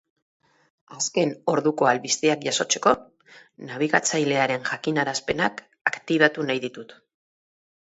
Azken orduko albisteak jasotzeko nabigatzailearen jakinarazpenak aktibatu nahi ditut.